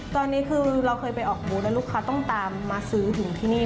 ตอนนี้คือเราเคยไปออกบูธแล้วลูกค้าต้องตามมาซื้อถึงที่นี่